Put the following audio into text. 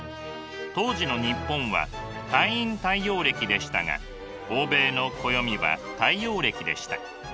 当時の日本は太陰太陽暦でしたが欧米の暦は太陽暦でした。